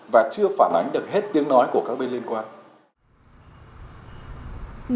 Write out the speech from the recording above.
và chưa phản ánh được hết tiếng nói của các bên liên quan